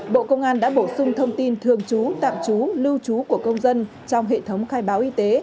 bộ công an đã bổ sung thông tin thường trú tạm trú lưu trú của công dân trong hệ thống khai báo y tế